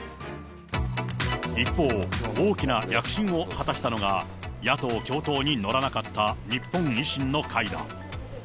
一方、大きな躍進を果たしたのが、野党共闘に乗らなかった、日本維新の会だ。